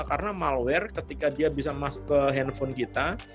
karena malware ketika dia bisa masuk ke handphone kita